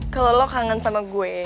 kalau lo kangen sama gue